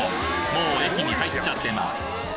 もう駅に入っちゃってます